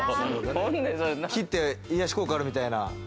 火って、癒やし効果あるみたいな。